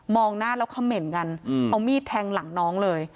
หน้าแล้วคำเหม็นกันเอามีดแทงหลังน้องเลย